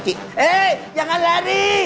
eh jangan lari